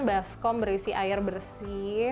baskom berisi air bersih